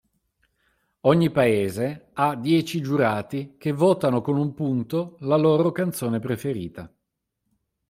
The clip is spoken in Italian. Ogni paese ha dieci giurati che votano con un punto la loro canzone preferita.